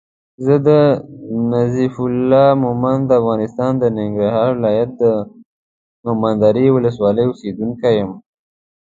زه نظیف الله مومند د افغانستان د ننګرهار ولایت د مومندرې ولسوالی اوسېدونکی یم